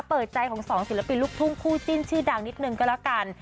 เปิดใจของสองศิลปินลูกทุ่งคู่จิ้นชื่อดังนิดนึงก็แล้วกัน